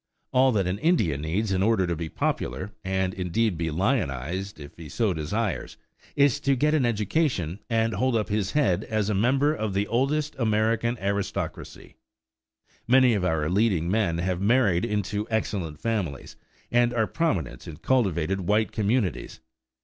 All that an Indian needs in order to be popular, and indeed to be lionized if he so desires, is to get an education and hold up his head as a member of the oldest American aristocracy. Many of our leading men have married into excellent families and are prominent in cultivated white communities.